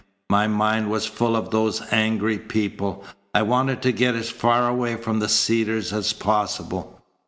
My mind was full of those angry people. I wanted to get as far away from the Cedars as possible.